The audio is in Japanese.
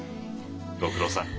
ご苦労さん。